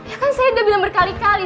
ya kan saya udah bilang berkali kali